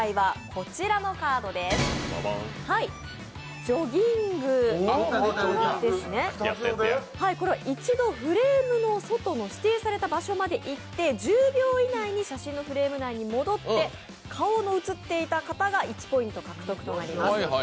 こちらは指定された場所に行っていただいて、１０秒以内に写真のフレーム内に戻って顔の写っていた方が１ポイント獲得となります。